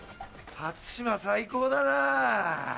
初島最高だなぁ。